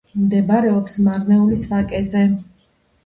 მდებარეობს მარნეულის ვაკეზე.